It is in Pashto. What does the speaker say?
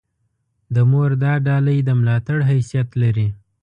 د مور دا ډالۍ د ملاتړ حیثیت لري.